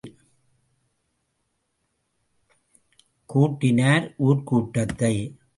கூட்டினார் ஊர்க் கூட்டத்தை.